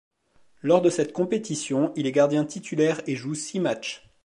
Lors de cette compétition, il est gardien titulaire et joue six matchs.